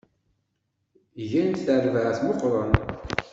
Gan-d tarbaεt meqqren.